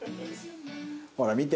ほら見て。